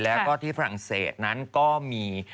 แล้วก็ที่ฝรั่งเศสนั้นก็มี